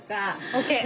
ＯＫ！